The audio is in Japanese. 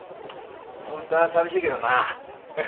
ホントは寂しいけどな。